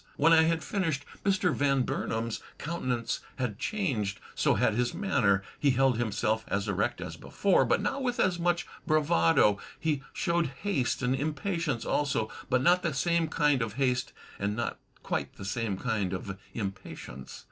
When I had finished, Mr. Van Btimam's cotmtenance had changed, so had his manner. He held himself as erect as before, but not with as much bravado. He showed haste and impatience also, but not the same kind of haste and not quite the same kind of impatience.